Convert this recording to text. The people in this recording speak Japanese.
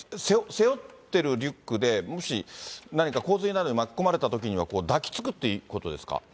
背負ってるリュックで、もし何か洪水などに巻き込まれたときには、抱きつくってことですか。